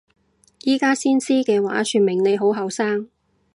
而家先知嘅話說明你好後生！